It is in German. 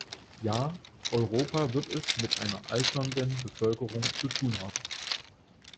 Ja, Europa wird es mit einer alternden Bevölkerung zu tun haben.